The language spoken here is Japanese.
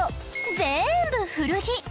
全部古着！